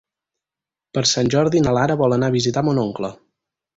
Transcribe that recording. Per Sant Jordi na Lara vol anar a visitar mon oncle.